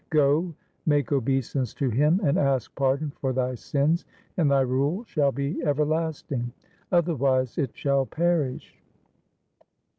Go, make obeisance to him, and ask pardon for thy sins, and thy rule shall be everlasting ; otherwise it shall perish.'